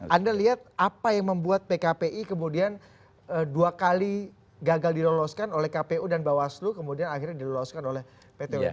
anda lihat apa yang membuat pkpi kemudian dua kali gagal diloloskan oleh kpu dan bawaslu kemudian akhirnya diloloskan oleh pt un